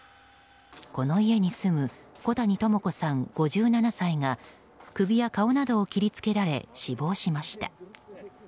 この家に住む小谷朋子さん、５７歳が首や顔などを切り付けられ死亡しました。